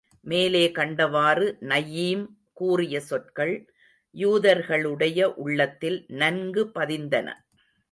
மேலே கண்டவாறு நயீம் கூறிய சொற்கள், யூதர்களுடைய உள்ளத்தில் நன்கு பதிந்தன.